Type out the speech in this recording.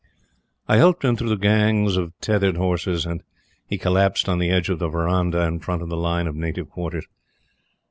I helped him through the gangs of tethered horses and he collapsed on the edge of the verandah in front of the line of native quarters.